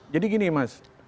jadi gini mas